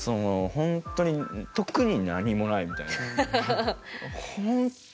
本当に何もないみたいなね。